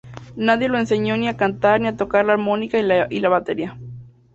Nadie le enseñó ni a cantar ni a tocar la armónica y la batería.